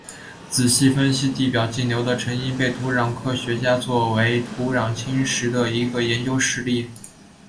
仔细分析地表径流的成因被土壤科学家作为土壤侵蚀的一个研究实例。